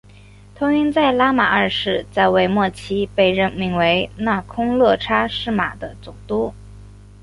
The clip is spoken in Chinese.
通因在拉玛二世在位末期被任命为那空叻差是玛的总督。